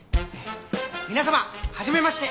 皆様はじめまして。